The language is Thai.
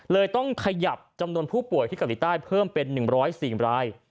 ต้องขยับจำนวนผู้ป่วยที่เกาหลีใต้เพิ่มเป็น๑๐๔ราย